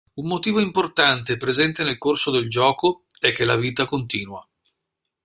Un motivo importante presente nel corso del gioco è che "la vita continua".